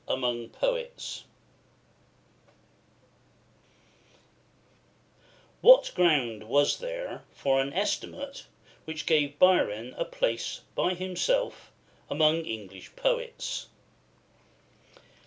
] What ground was there for an estimate which gave Byron a place by himself among English poets?